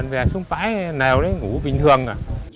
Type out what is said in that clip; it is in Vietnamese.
về xuống bãi nèo để ngủ bình thường